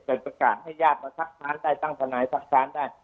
แต่ประกาศให้ญาติมาทักค้านได้ตั้งทนายซักค้านได้